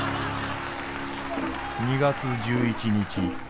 「２月１１日。